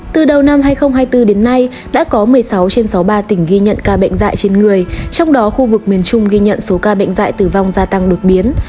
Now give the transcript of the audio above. từ đầu năm hai nghìn hai mươi bốn đến nay đã có một mươi sáu trên sáu mươi ba tỉnh ghi nhận ca bệnh dạy trên người trong đó khu vực miền trung ghi nhận số ca bệnh dạy tử vong gia tăng đột biến